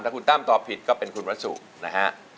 ถ้าคุณตั้มตอบผิดก็เป็นคุณวัสสุนะฮะ